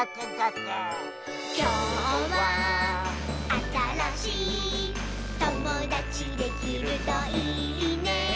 「きょうはあたらしいともだちできるといいね」